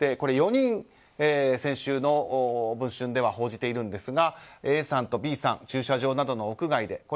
４人、先週の「文春」では報じているんですがＡさんとＢさん駐車場などの屋外で。